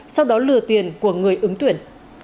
sau đó lừa tiền của người ứng tuyển